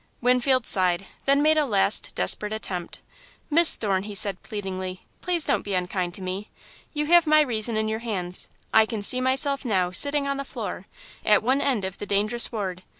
Winfield sighed, then made a last desperate attempt. "Miss Thorne," he said, pleadingly, "please don't be unkind to me. You have my reason in your hands. I can see myself now, sitting on the floor, at one end of the dangerous ward.